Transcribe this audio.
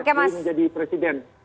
ketika psb menjadi presiden